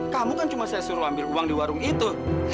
kamu kan cuma saya suruh ambil uang di warung itu